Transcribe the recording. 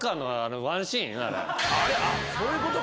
そういうことか。